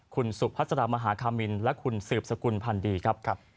คุณสุขภัสดามหาคามิลและคุณสืบสกุลพันดีครับครับ